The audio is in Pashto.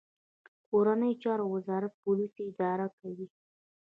کورنیو چارو وزارت پولیس اداره کوي